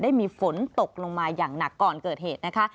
ได้มีฝนตกลงมาอย่างหนักก่อนเกิดเหตุนะคะ